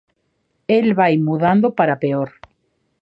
El vai mudando para peor.